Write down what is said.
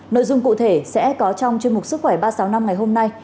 nội dung cụ thể sẽ có trong chương mục sức khỏe ba trăm sáu mươi năm ngày hôm nay